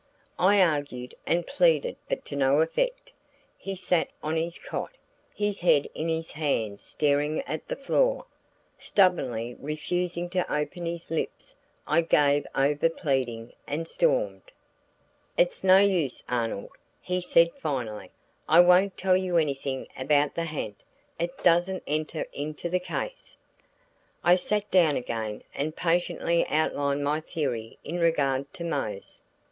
I argued and pleaded but to no effect. He sat on his cot, his head in his hands staring at the floor, stubbornly refusing to open his lips. I gave over pleading and stormed. "It's no use, Arnold," he said finally. "I won't tell you anything about the ha'nt; it doesn't enter into the case." I sat down again and patiently outlined my theory in regard to Mose.